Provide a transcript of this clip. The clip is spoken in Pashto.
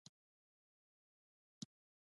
تر څو روایت بدل نه شي، درد پاتې کېږي.